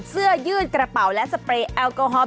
เสื้อยืดกระเป๋าและสเปรย์แอลกอฮอล